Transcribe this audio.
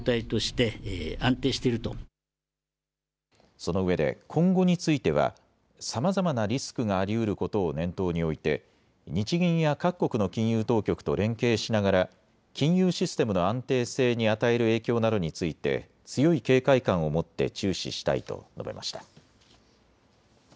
そのうえで今後についてはさまざまなリスクがありうることを念頭に置いて日銀や各国の金融当局と連携しながら金融システムの安定性に与える影響などについて強い警戒感を持って注視したいと述べました。